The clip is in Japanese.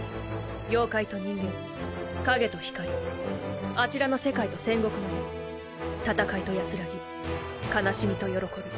妖怪と人間影と光あちらの世界と戦国の世戦いと安らぎ悲しみと喜び